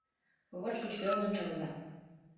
Рож гыч веле ончалза.